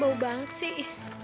bau banget sih